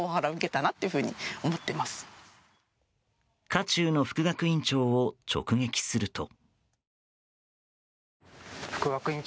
渦中の副学院長を直撃すると。